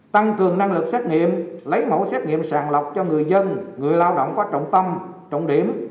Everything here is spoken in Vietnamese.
tăng cường năng lực xét nghiệm lấy mẫu xét nghiệm sàng lọc cho người dân người lao động có trọng tâm trọng điểm